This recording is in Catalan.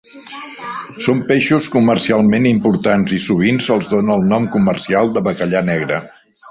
Són peixos comercialment importants i sovint se"ls dóna el nom comercial de bacallà negre.